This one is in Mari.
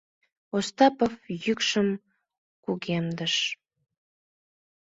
— Остапов йӱкшым кугемдыш.